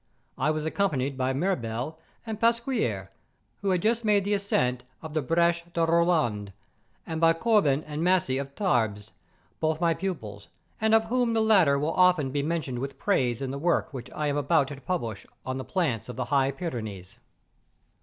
I was accompanied by Mirbel and Pasquier, who had just made the ascent of the BrMie de Poland, and by Corbin and Massey of Tarbes, both my pupils, and of whom the latter will often be mentioned with praise in the work which I am about to publish on the plants of the High Pyrenees. 128 MOUNTAIN ADVENTURES.